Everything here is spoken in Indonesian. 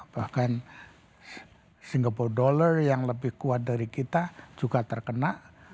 bahkan singable dollar yang lebih kuat dari kita juga terkena